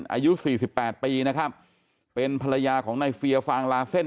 อายุสี่สิบแปดปีนะครับเป็นภรรยาของนายเฟียฟางลาเส้น